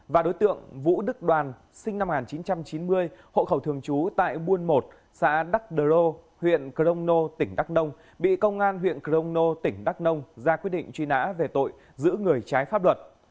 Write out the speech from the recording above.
và đối tượng vũ đức đoàn sinh năm một nghìn chín trăm chín mươi hộ khẩu thường trú tại buôn một xã đắk đờ rô huyện crong nô tỉnh đắk nông bị công an huyện crong nô tỉnh đắk nông ra quyết định truy nã về tội giữ người trái pháp luật